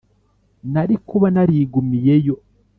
nari kuba narigumiyeyo